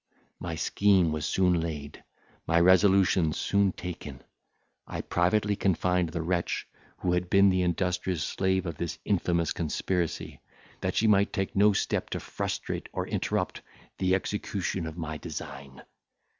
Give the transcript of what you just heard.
My scheme was soon laid, my resolution soon taken; I privately confined the wretch who had been the industrious slave of this infamous conspiracy, that she might take no step to frustrate or interrupt the execution of my design.